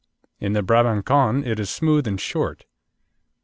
In the Brabancon it is smooth and short.